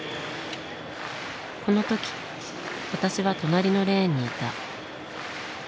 この時私は隣のレーンにいた。